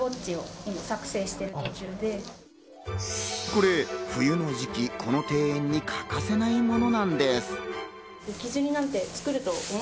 これ、冬の時期この庭園に欠かせないものなんです。